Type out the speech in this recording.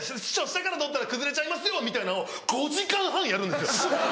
「師匠下から取ったら崩れちゃいますよ」みたいなんを５時間半やるんですよ